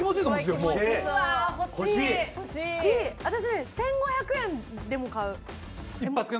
私１，５００円でも買う。